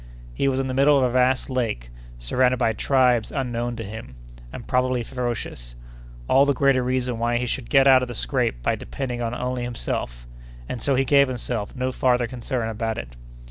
He was in the middle of a vast lake, surrounded by tribes unknown to him, and probably ferocious. All the greater reason why he should get out of the scrape by depending only on himself. And so he gave himself no farther concern about it.